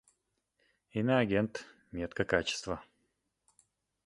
Иноагент — метка качества.